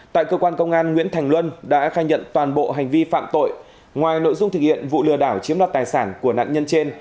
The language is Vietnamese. tại cơ quan công an nguyễn thành luân đã khai nhận toàn bộ hành vi phạm tội ngoài nội dung thực hiện vụ lừa đảo chiếm đoạt tài sản của nạn nhân trên